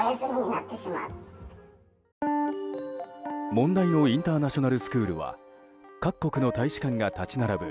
問題のインターナショナルスクールは各国の大使館が立ち並ぶ